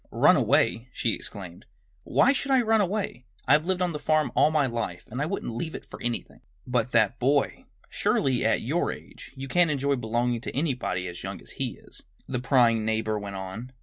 "Run away!" she exclaimed. "Why should I run away? I've lived on the farm all my life and I wouldn't leave it for anything." "But that boy! Surely, at your age, you can't enjoy belonging to anybody as young as he is!" the prying neighbor went on.